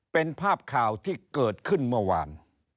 เป็นภาพข่าวที่เกิดขึ้นเมื่อวาน